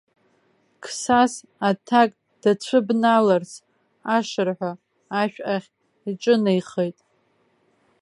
Қсас, аҭак дацәыбналарц, ашырҳәа ашә ахь иҿынеихеит.